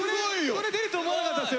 これ出ると思わなかったですよね？